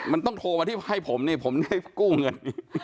มันต้องโทรมาที่ไพ่ผมนี่ผมได้กู้เงิน